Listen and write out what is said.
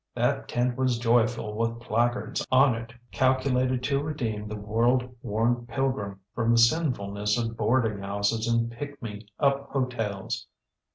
That tent was joyful with placards on it calculated to redeem the world worn pilgrim from the sinfulness of boarding houses and pick me up hotels.